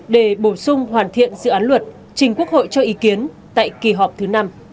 để bổ sung hoàn thiện dự án luật trình quốc hội cho ý kiến tại kỳ họp thứ năm